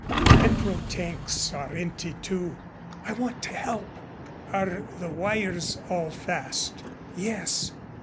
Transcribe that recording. The petrol tanks are empty, too." "I want to help." "Are the wires all fast?" "Yes."